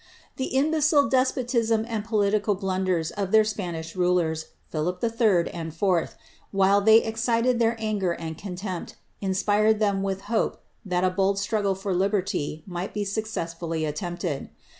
The imbecile despotism and political blunders of their Spanish rulers, Philip 111. and IV., while they excited their anger and contempt, in spired them with hope that a bold struggle for liberty might be mccess fully attempted.